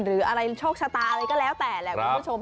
หรืออะไรโชคชะตาอะไรก็แล้วแต่แหละคุณผู้ชม